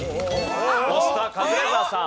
押したカズレーザーさん。